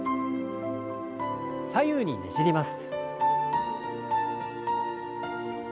左右にねじります。